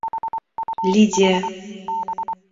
Лидия